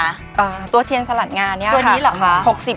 อ่าตัวเทียนสลัดงานเนี้ยตัวนี้เหรอคะ